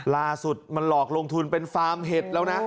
ล่าสุดมันหลอกลงทุนเป็นฟาร์มเห็ดแล้วนะ